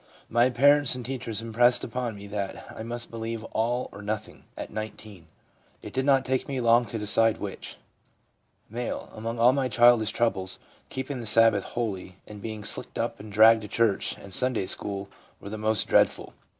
My parents and teachers impressed upon me that I must believe all or nothing (at 19.) It did not take me long to decide which/ M. ' Among all my childish troubles, " keep ing the Sabbath holy," and being slicked up and dragged to church and Sunday school were the most dreadful.